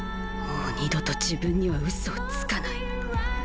もう二度と自分には嘘をつかない。